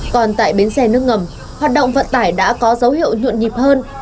còn tại bến xe nước ngầm hoạt động vận tải đã có dấu hiệu nhộn nhịp hơn